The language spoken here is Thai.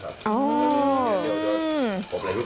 ประดุก